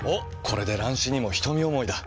これで乱視にも瞳思いだ。